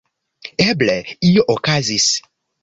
Eble, io okazis.